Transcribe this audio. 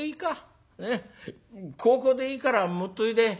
香香でいいから持っといで」。